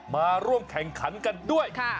มาร่วมแข่งขันกันด้วย